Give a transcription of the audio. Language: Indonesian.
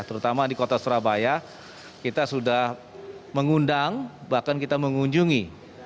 terutama di kota surabaya kita sudah mengundang bahkan kita mengunjungi